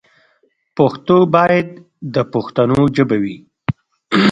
پښتو باید د پښتنو ژبه وي.